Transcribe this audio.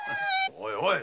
おいおい！